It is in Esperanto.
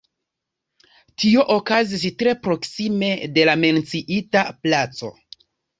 Tio okazis tre proksime de la menciita placo.